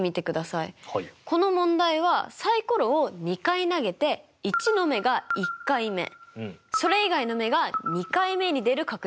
この問題はサイコロを２回投げて１の目が１回目それ以外の目が２回目に出る確率でしたよね。